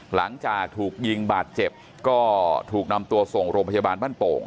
หลังจากถูกยิงบาดเจ็บก็ถูกนำตัวส่งโรงพยาบาลบ้านโป่ง